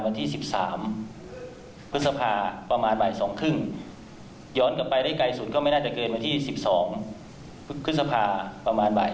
ส่วนที่บริเวณอวัยวะเพศของเด็กไม่พบร่องรอยที่เกิดจากการถูกล่วงละเมิดเยื่อพรหมจารย์